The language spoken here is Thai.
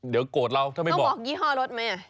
เดี๋ยวกลดเราถ้าไม่บอกต้องบอกยี่ห้อรถไหม